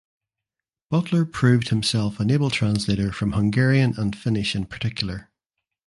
Butler proved himself an able translator from Hungarian and Finnish in particular.